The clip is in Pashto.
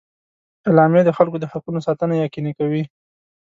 اعلامیه د خلکو د حقونو ساتنه یقیني کوي.